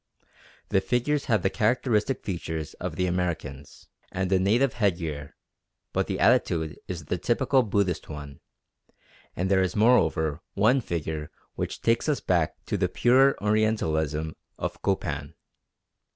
The figures have the characteristic features of the Americans, and the native headgear; but the attitude is the typical Buddhist one, and there is moreover one figure which takes us back to the purer orientalism of Copan.